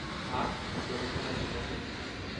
Ah ! tu as le journal d’aujourd’hui ?